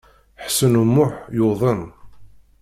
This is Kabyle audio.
Ḥsen U Muḥ yuḍen.